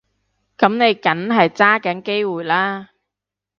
噉你梗係揸緊機會啦